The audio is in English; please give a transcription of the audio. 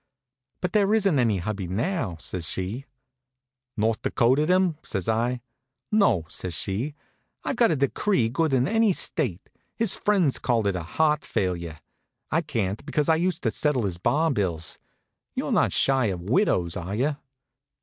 "But there isn't any hubby now," says she. "North Dakotaed him?" says I. "No," says she; "I've got a decree good in any State. His friends called it heart failure. I can't because I used to settle his bar bills. You're not shy of widows, are you?"